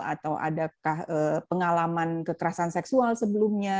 atau adakah pengalaman kekerasan seksual sebelumnya